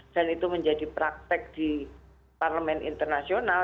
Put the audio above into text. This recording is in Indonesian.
dan itu menjadi praktek di parlemen internasional